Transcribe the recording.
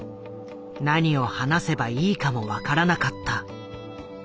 何を話せばいいかも分からなかった。